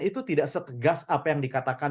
itu tidak setegas apa yang dikatakan